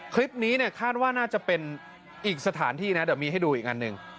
คลิปนี้เนี่ยคาดว่าน่าจะเป็นอีกสถานที่นะเดี๋ยวมีให้ดูอีกอันหนึ่ง